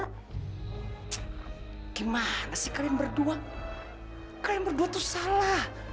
gimana sih kalian berdua kalian berdua tuh salah